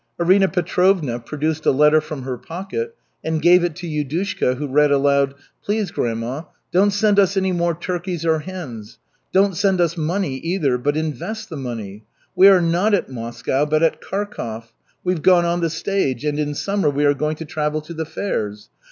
Arina Petrovna produced a letter from her pocket and gave it to Yudushka, who read aloud: /# "Please, grandma, don't send us any more turkeys or hens. Don't send us money, either, but invest the money. We are not at Moscow but at Kharkov. We've gone on the stage, and in summer we are going to travel to the fairs.